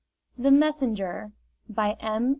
THE MESSENGER By M.